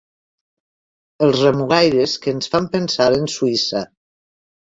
Els remugaires que ens fan pensar en Suïssa.